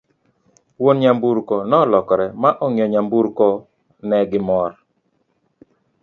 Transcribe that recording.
wuon nyamburko nolokore ma ong'iyo nyamburko ne gi mor